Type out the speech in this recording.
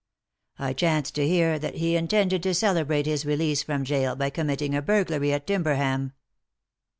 "I chanced to hear that he intended to celebrate bis release from gaol by committing a burglary at Timberham."